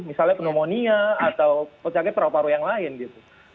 misalnya pneumonia atau penyakit perahu paruh yang lain gitu